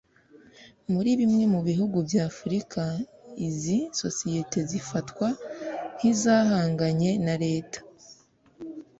muri bimwe mu bihugu bya Afurika izi Sosiyete zifatwa nk’izihanganye na leta